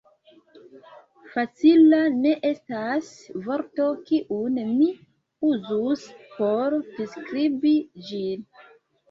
Facila ne estas vorto, kiun mi uzus, por priskribi ĝin.